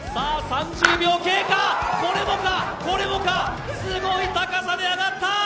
３０秒経過、これもか、これもか、すごい高さで上がった！